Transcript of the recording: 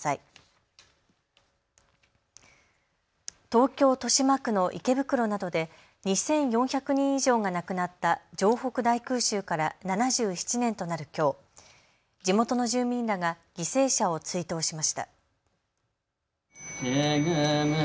東京豊島区の池袋などで２４００人以上が亡くなった城北大空襲から７７年となるきょう、地元の住民らが犠牲者を追悼しました。